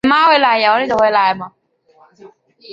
但后来少说了